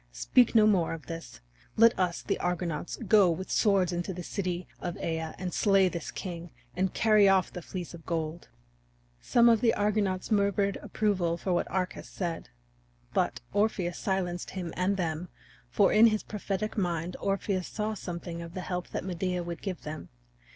Speak no more of this! Let us, the Argonauts, go with swords into the city of Aea, and slay this king, and carry off the Fleece of Gold." Some of the Argonauts murmured approval of what Arcas said. But Orpheus silenced him and them, for in his prophetic mind Orpheus saw something of the help that Medea would give them.